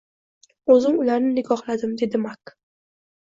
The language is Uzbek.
O`zim ularni nikohladim, dedi Mak